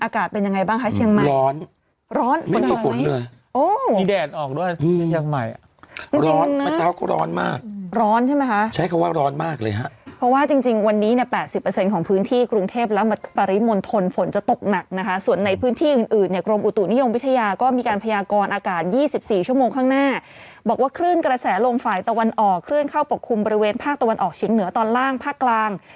คนไม่ได้อยู่กรุงเทพฯคนไม่ได้อยู่กรุงเทพฯเลยไม่รู้ที่นู่นอากาศเป็นยังไงบ้างคะเชียงใหม่